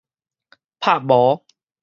拍無